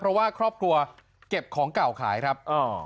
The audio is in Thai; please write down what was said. เพราะว่าครอบครัวเก็บของเก่าขายครับ